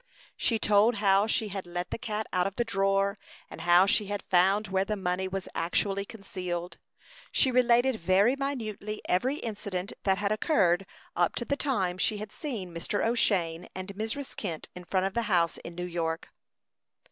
She told how she had let the cat out of the drawer, and how she had found where the money was actually concealed; she related very minutely every incident that had occurred up to the time she had seen Mr. O'Shane and Mrs. Kent in front of the house in New York.